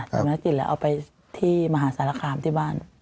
ค่ะพระวัติกิจแล้วเอาไปที่มหาสารคามที่บ้าน